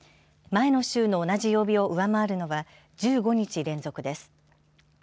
前の週の同じ曜日を上回るのは１５日連続です。